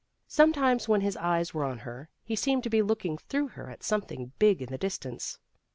Sometimes, when his eyes were on her, he seemed to be looking through her at something big in the distance.